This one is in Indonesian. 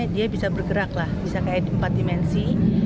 dia bisa bergerak bisa kait empat dimensi